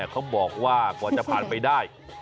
เขาบอกว่ากว่าจะผ่านไปได้